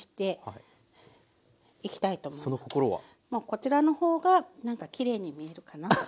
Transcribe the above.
こちらの方がなんかきれいに見えるかなと。